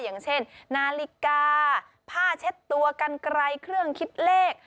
อย่างเช่นนาฬิกาผ้าเช็ดตัวกันไกลเครื่องคิดเลข